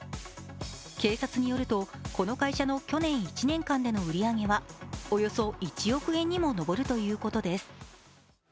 警察によると、この会社の去年１年間での売り上げはおよそ１億円にも上るということです。